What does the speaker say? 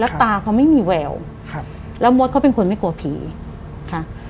ตาเขาไม่มีแววครับแล้วมดเขาเป็นคนไม่กลัวผีค่ะ